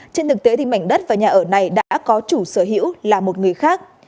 trên thực tế mảnh đất và nhà ở này đã có chủ sở hữu là một người khác